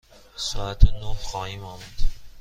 ساعت نه خواهیم آمد.